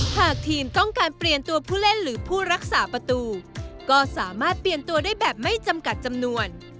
หากทีมต้องการเปลี่ยนตัวผู้เล่นหรือผู้รักษาประตูก็สามารถเปลี่ยนตัวได้แบบไม่จำกัดจำนวน